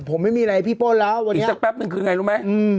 ผมไม่มีอะไรพี่ป้นแล้ววันนี้อีกสักแป๊บนึงคือไงรู้ไหม